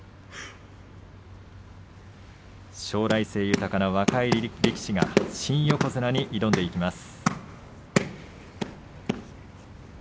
将来性豊かな若い力士新横綱に挑みます。